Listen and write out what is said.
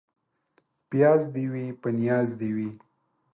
پياز دي وي ، په نياز دي وي.